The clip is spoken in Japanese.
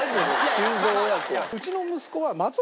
修造親子は。